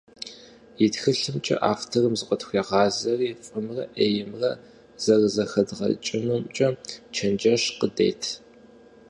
И тхылъымкӀэ авторым зыкъытхуегъазэри фӀымрэ Ӏеймрэ зэрызэхэдгъэкӀынумкӀэ чэнджэщ къыдет.